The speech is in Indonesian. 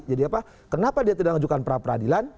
jadi kenapa dia tidak menunjukkan pra peradilan